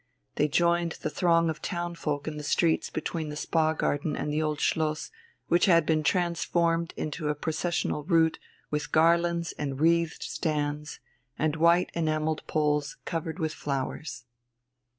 They joined the throng of town folk in the streets between the Spa Garden and the Old Schloss, which had been transformed into a processional route with garlands and wreathed stands and white enamelled poles covered with flowers.